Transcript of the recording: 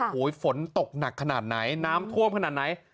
โอ้โหฝนตกหนักขนาดไหนน้ำท่วมขนาดไหน